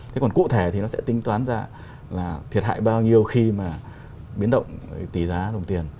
thế còn cụ thể thì nó sẽ tính toán ra là thiệt hại bao nhiêu khi mà biến động tỷ giá đồng tiền